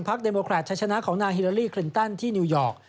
ภาคเดมโมคราตชัยชนะของนางฮิลาลี่คลินตันที่นิวยอร์ก